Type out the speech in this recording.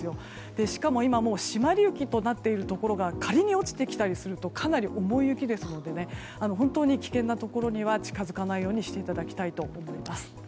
しかも今、しまり雪となっているところが仮に落ちてきたりするとかなり重い雪ですので危険なところには近づかないようにしていただきたいと思います。